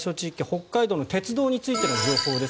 北海道の鉄道についての情報です。